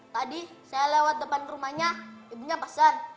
tadi saya lewat depan rumahnya ibunya pasar